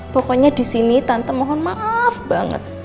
pokoknya disini tante mohon maaf banget